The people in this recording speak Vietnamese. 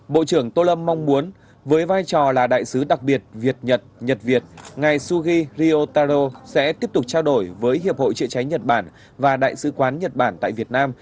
bộ trưởng tô lâm mong muốn với vai trò là đại sứ đặc biệt việt nhật nhật việt ngài sugi ryotaro sẽ tiếp tục trao đổi với hiệp hội chữa cháy nhật bản và đại sứ quán nhật bản tại việt nam